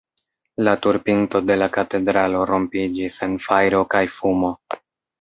La tur-pinto de la katedralo rompiĝis en fajro kaj fumo.